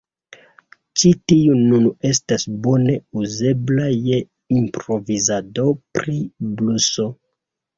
Ĉi tiu nun estas bone uzebla je improvizado pri bluso.